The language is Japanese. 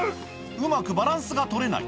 うまくバランスが取れない。